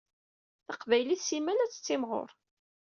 Taqbaylit simmal ad tettimɣuṛ.